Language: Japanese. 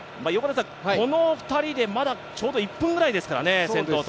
この２人でまだちょうど１分ぐらいですからね、先頭と。